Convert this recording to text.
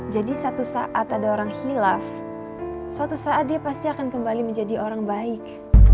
jadi satu saat ada orang hilaf suatu saat dia pasti akan kembali menjadi orang baik